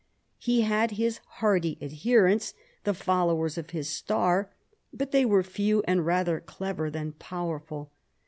He had his hearty adherents, the followers of his star, but they were few and rather clever than powerful.